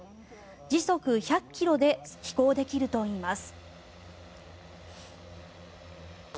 時速１００ｋｍで飛行できるといいます。